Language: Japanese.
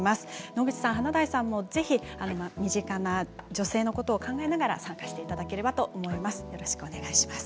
野口さん、華大さんもぜひ身近な女性のことを考えながら参加していただければと思います。